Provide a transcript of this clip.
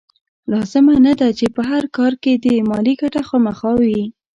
لازمه نه ده چې په هر کار کې دې مالي ګټه خامخا وي.